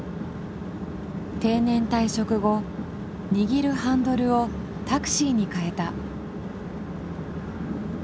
定年退職後握るハンドルをタクシーに変えた。